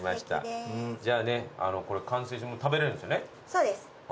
そうです。